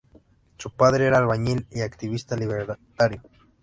Su padre era albañil y activista libertario.